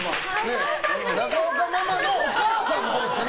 中岡ママのお母さんのほうですよね。